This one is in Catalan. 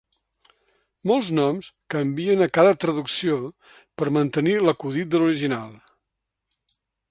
Molts noms canvien a cada traducció per mantenir l'acudit de l'original.